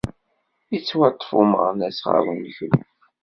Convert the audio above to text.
Yettwaṭṭef umeɣnas ɣer unekruf.